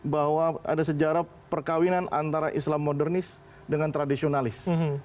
bahwa ada sejarah perkawinan antara islam modernis dengan tradisionalis